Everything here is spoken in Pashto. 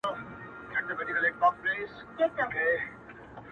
هغه د کور څخه په ذهن کي وځي او نړۍ ته ځان رسوي,